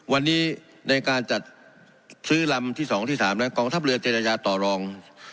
วันนี้ในการจัดซื้อลำที่สองที่สามและกล่องทัพเรือเจรยาต่อรอง